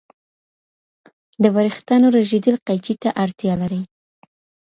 د وریښتانو رژیدل قیچي ته اړتیا لري.